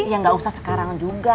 ya nggak usah sekarang juga